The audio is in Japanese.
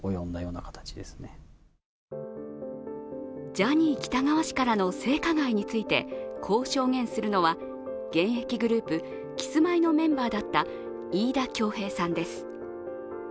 ジャニー喜多川氏からの性加害についてこう証言するのは現役グループ、キスマイのメンバーだった飯田恭平さんです。